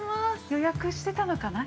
◆予約してたのかな。